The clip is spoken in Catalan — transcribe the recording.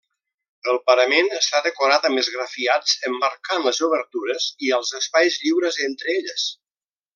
El parament està decorat amb esgrafiats emmarcant les obertures i als espais lliures entre elles.